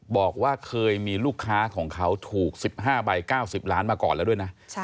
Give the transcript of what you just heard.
บอกว่าเคยมีลูกค้าของเขาถูก๑๕ใบ๙๐ล้านมาก่อนแล้วด้วยนะ